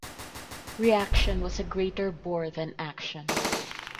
Reaction was a greater bore than action.